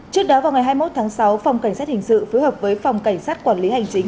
trước đó vào ngày hai mươi một tháng sáu phòng cảnh sát hình sự phối hợp với phòng cảnh sát quản lý hành chính